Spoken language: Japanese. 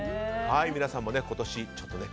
皆さんも今年ね。